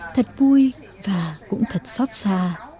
thật vui và cũng thật xót xa